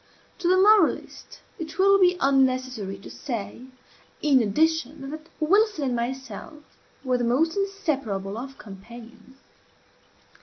To the moralist it will be unnecessary to say, in addition, that Wilson and myself were the most inseparable of companions.